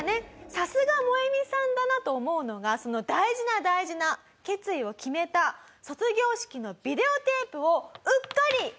さすがモエミさんだなと思うのがその大事な大事な決意を決めた卒業式のビデオテープを。